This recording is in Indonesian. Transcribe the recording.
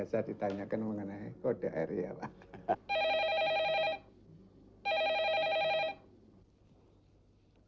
tidak diterangkan mengenai kode area pak